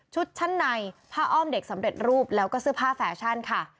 ชั้นในผ้าอ้อมเด็กสำเร็จรูปแล้วก็เสื้อผ้าแฟชั่นค่ะ